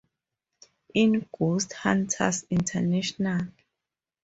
In "Ghost Hunters" International.